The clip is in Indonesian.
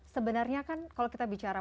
sebenarnya kan kalau kita bicara